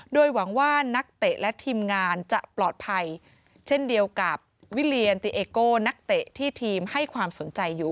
โดยหวังว่านักเตะและทีมงานจะปลอดภัยเช่นเดียวกับวิเลียนติเอโกนักเตะที่ทีมให้ความสนใจอยู่